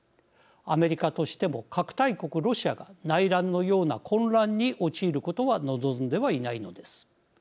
アメリカとしても核大国ロシアが内乱のような混乱に陥ることは望んではいないのです。